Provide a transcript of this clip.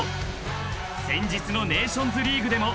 ［先日のネーションズリーグでも］